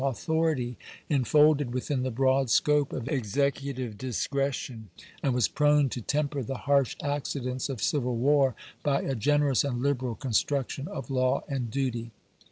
authority enfolded within the broad scope of Ex ecutive discretion, and was prone to temper the harsh accidents of civil war by a generous and liberal construction of law and duty.